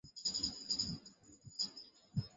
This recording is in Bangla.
তার পরও আমাদের কথা একবারের জন্যও ভাবা হলো না, এটাই কষ্টের।